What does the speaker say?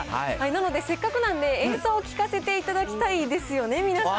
なのでせっかくなので演奏を聴かせていただきたいですよね、皆さ